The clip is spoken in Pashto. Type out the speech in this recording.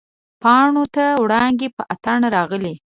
پاڼو ته وړانګې په اتڼ راغلي